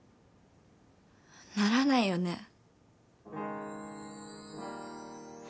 ならないよね？